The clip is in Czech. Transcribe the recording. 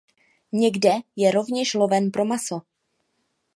Někde je rovněž loven pro maso.